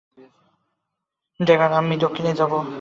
Dagger, আপনারা দক্ষিণে যান।